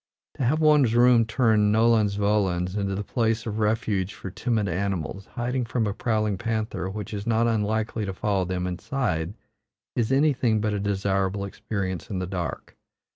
To have one's room turned nolens volens into a place of refuge for timid animals, hiding from a prowling panther which is not unlikely to follow them inside, is anything but a desirable experience in the dark.